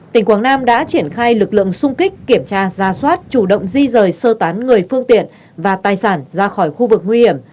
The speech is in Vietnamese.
tỉnh quảng nam đã triển khai lực lượng sung kích kiểm tra ra soát chủ động di rời sơ tán người phương tiện và tài sản ra khỏi khu vực nguy hiểm